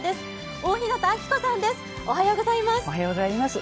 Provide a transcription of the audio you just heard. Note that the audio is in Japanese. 大日向暁子さんです。